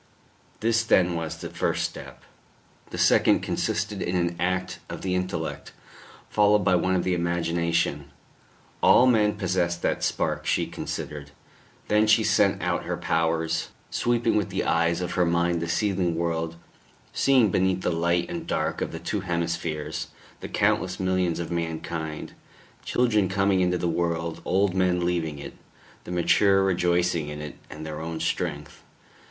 This then was the first step. The second consisted in an act of the intellect, followed by one of the imagination. All men possessed that spark, she considered.... Then she sent out her powers, sweeping with the eyes of her mind the seething world, seeing beneath the light and dark of the two hemispheres, the countless millions of mankind children coming into the world, old men leaving it, the mature rejoicing in it and their own strength.